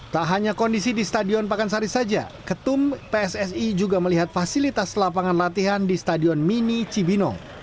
tak hanya kondisi di stadion pakansari saja ketum pssi juga melihat fasilitas lapangan latihan di stadion mini cibinong